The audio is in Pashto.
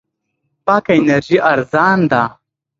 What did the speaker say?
پاکه انرژي ارزان ده.